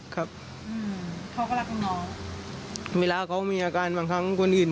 ครับอืมเขาก็รักน้องเวลาเขามีอาการบางครั้งคนอื่น